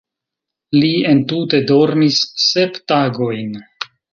Li entute dormis sep tagojn.